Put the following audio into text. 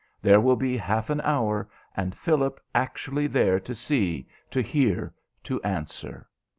There will be half an hour, and Philip actually there to see, to hear, to answer.